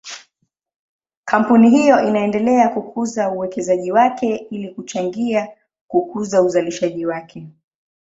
Kampuni hiyo inaendelea kukuza uwekezaji wake ili kuchangia kukuza uzalishaji wake.